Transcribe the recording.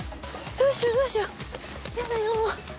どうしよう？